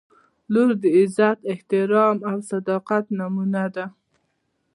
• لور د عزت، احترام او صداقت نمونه ده.